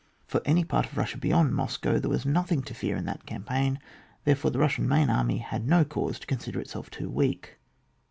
For any part of Bussia beyond Moscow there was nothing to fear in that campaign, therefore the Bussian main army had no cause to con sider itself too weak.